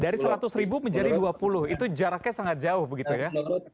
dari seratus ribu menjadi dua puluh itu jaraknya sangat jauh begitu ya